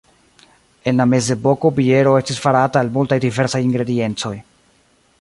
En la mezepoko biero estis farata el multaj diversaj ingrediencoj.